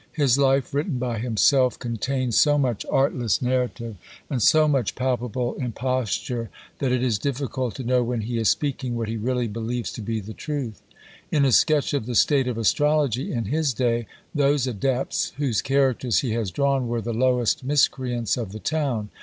His Life, written by himself, contains so much artless narrative, and so much palpable imposture, that it is difficult to know when he is speaking what he really believes to be the truth. In a sketch of the state of astrology in his day, those adepts, whose characters he has drawn, were the lowest miscreants of the town.